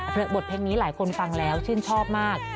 บทเพลงนี้หลายคนฟังแล้วชื่นชอบมาก